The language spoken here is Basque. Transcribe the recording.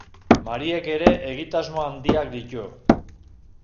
Mariek ere egitasmo handiak ditu.